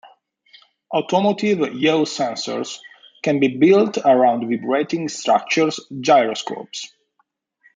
Automotive yaw sensors can be built around vibrating structure gyroscopes.